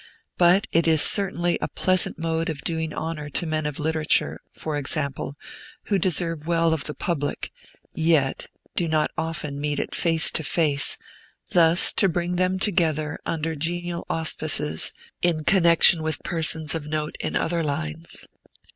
But it is certainly a pleasant mode of doing honor to men of literature, for example, who deserve well of the public, yet do not often meet it face to face, thus to bring them together under genial auspices, in connection with persons of note in other lines.